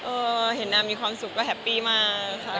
เห็นนางมีความสุขก็แฮปปี้มากค่ะ